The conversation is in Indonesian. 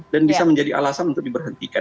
dan bisa menjadi alasan untuk diberhentikan